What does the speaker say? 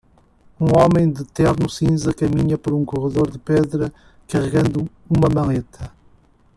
Um homem de terno cinza caminha por um corredor de pedra carregando uma maleta.